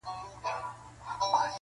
په تياره كوڅه كي بيرته خاموشي سوه -